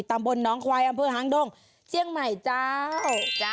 ตำบลน้องควายอำเภอหางดงเจียงใหม่เจ้า